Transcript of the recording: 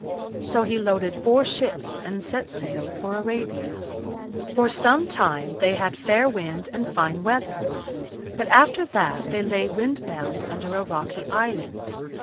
So he loaded four ships and set sail for Arabia. For some time they had fair wind and fine weather, but after that they lay wind bound under a rocky island.